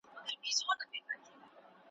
د تیارو د شیطان غرونه یو په بل پسي ړنګېږي `